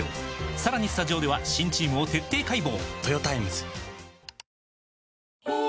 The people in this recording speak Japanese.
さらにスタジオでは新チームを徹底解剖！